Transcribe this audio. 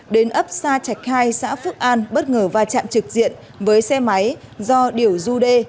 đến ấp xa trạch khai xã phước an bất ngờ va chạm trực diện với xe máy do điểu du đê